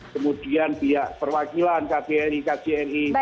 kemudian biaya perwakilan kbri kjri